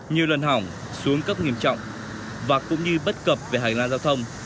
nhiều lần hỏng xuống cấp nghiêm trọng và cũng như bất cập về hành lang giao thông